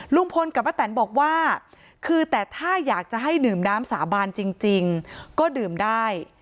ลุงพลกับป้าแตนบอกว่าคือแต่ถ้าอยากจะให้ดื่มน้ำสาบานจริงก็ดื่มได้